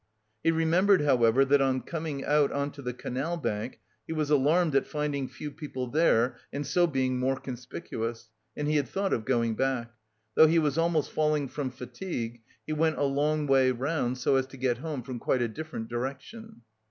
He remembered however, that on coming out on to the canal bank, he was alarmed at finding few people there and so being more conspicuous, and he had thought of turning back. Though he was almost falling from fatigue, he went a long way round so as to get home from quite a different direction.